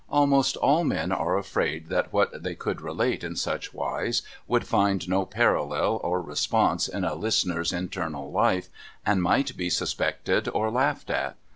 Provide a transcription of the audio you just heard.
Almost all men are afraid that what they could relate in such wise would find no parallel or response in a listener's internal life, and might be suspected or laughed at.